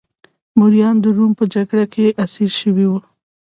مریان د روم په جګړه کې اسیر شوي وو